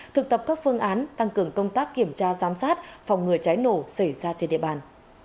thực tập các phương án tăng cường công tác kiểm tra giám sát phòng ngừa cháy nổ xảy ra trên địa bàn